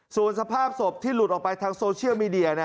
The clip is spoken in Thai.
ส่วนสภาพศพที่หลุดออกไปทางโซเชียลมีเดีย